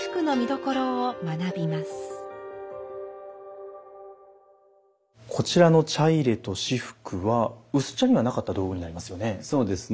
こちらの茶入と仕覆は薄茶にはなかった道具になりますよね。